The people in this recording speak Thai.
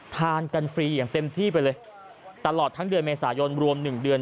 ทานกันฟรีอย่างเต็มที่ไปเลยตลอดทั้งเดือนเมษายนรวม๑เดือน